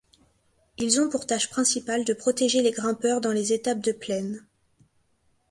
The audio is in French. Ils ont pour tâche principale de protéger les grimpeurs dans les étapes de plaine.